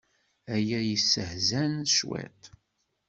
Aya yesseḥzan cwiṭ.